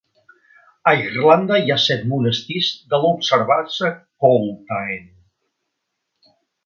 A Irlanda hi ha set monestirs de la observança Colettine.